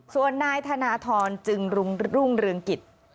ส่วนนายธนทรจึงรุ่งเรืองกิจ